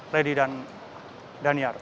lady dan dhaniar